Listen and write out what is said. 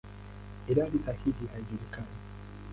Idadi sahihi haijulikani.